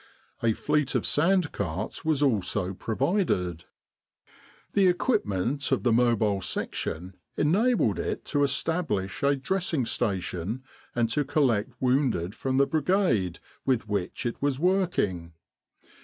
A fleet of sand carts was also provided. The equipment of the Mobile Section enabled it to establish a Dressing Station, and to collect wounded from the Brigade with which it was working.